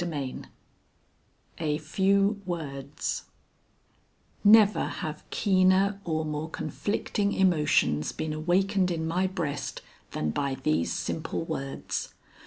XXXVIII A FEW WORDS Never have keener or more conflicting emotions been awakened in my breast than by these simple words.